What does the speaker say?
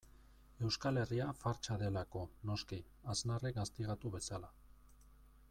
Euskal Herria fartsa delako, noski, Aznarrek gaztigatu bezala.